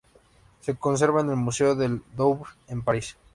Se conserva en el Museo del Louvre, en París.